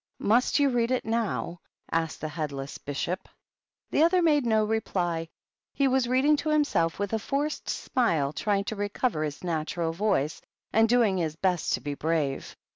" Must you read it now ?" asked the headless Bishop. The other made no reply. He was reading to himself with a forced smile, trying to recover his natural voice, and doing his best to be brave.